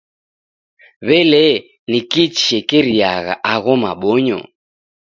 W'elee, nikii chishekeriagha agho mabonyo?